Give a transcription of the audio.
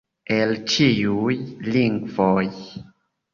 El ĉiuj lingvoj!